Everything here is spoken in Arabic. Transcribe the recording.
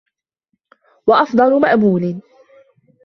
وَأَفْضَلَ مَأْمُولٍ